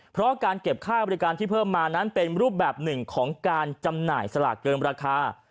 เพราะการเก็บค่าบริการที่เพิ่มมานั้นเป็นรูปแบบหนึ่งของการจำหน่ายสลากเกินราคา